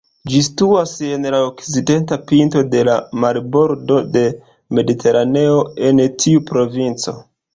Ĝi situas en la okcidenta pinto de la marbordo de Mediteraneo en tiu provinco.